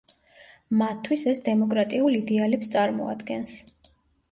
მათთვის ეს დემოკრატიულ იდეალებს წარმოადგენს.